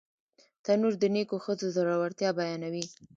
تنور د نیکو ښځو زړورتیا بیانوي